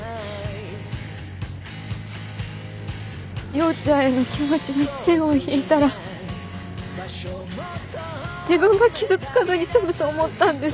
陽ちゃんへの気持ちに線を引いたら自分が傷つかずに済むと思ったんです。